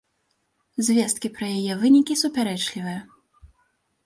Звесткі пра яе вынікі супярэчлівыя.